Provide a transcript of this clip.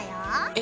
え